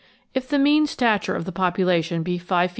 If the mean stature of the population be 5 ft.